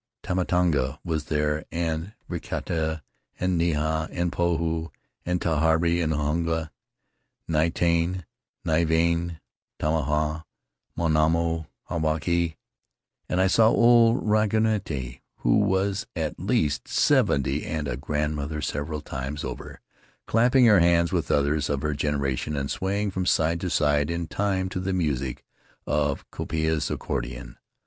Tamitanga was there and Rikitia and Nahea and Pohu and Tahere and Hunga; Nui Tane and Nui Vahine, Tama taha, Manono, Havaiki; and I saw old Rangituki, who was at least seventy and a grandmother several times over, clapping her hands with others of her generation and swaying from side to side in time to the music of Kaupia's accordion.